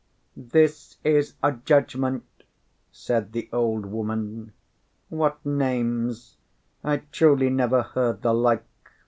"This is a judgment," said the old woman. "What names! I truly never heard the like.